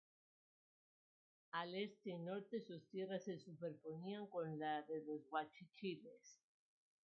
Al este y norte sus tierras se superponían con la de los Guachichiles.